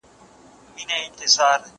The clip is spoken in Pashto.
زه به بازار ته تللی وي!!